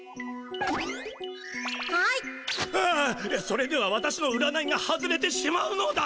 それでは私の占いが外れてしまうのだ！